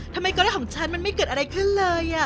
ทำไมกรณีของฉันมันไม่เกิดอะไรขึ้นเลย